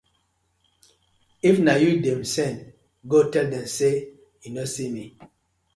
If na yu dem sen, go tell dem say yu no see me.